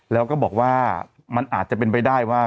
แล้วก็บอกว่ามันอาจจะเป็นไปได้ว่า